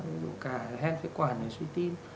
ví dụ cả hen phế quản và suy tim